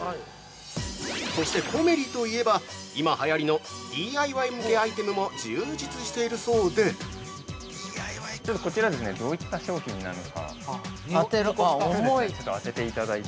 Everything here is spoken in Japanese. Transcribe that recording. ◆そして、コメリといえば今はやりのＤＩＹ向けアイテムも充実しているそうで◆こちらですねどういった商品なのかちょっと当てていただいて。